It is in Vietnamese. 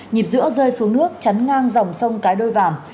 nhịp giữa rơi xuống nước chắn ngang dòng sông cái đôi vàm